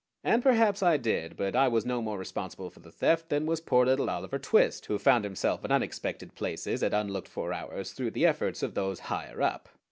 And perhaps I did; but I was no more responsible for the theft than was poor little Oliver Twist, who found himself at unexpected places at unlooked for hours through the efforts of those "higher up."